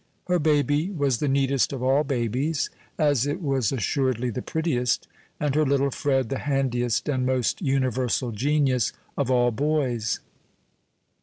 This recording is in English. Her baby was the neatest of all babies, as it was assuredly the prettiest, and her little Fred the handiest and most universal genius of all boys.